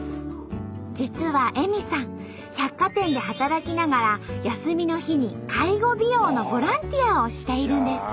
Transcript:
実は絵美さん百貨店で働きながら休みの日に介護美容のボランティアをしているんです。